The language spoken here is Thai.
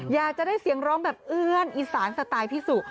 อยากจะได้เสียงร้องแบบเอื้อนอีสานสไตล์พี่สุ